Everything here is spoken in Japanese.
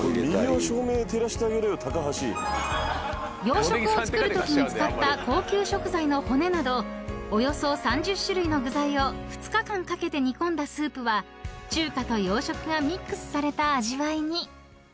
［洋食を作るときに使った高級食材の骨などおよそ３０種類の具材を２日間かけて煮込んだスープは中華と洋食がミックスされた味わいに］